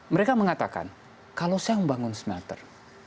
mereka mengatakan kalau saya mau bangun smelter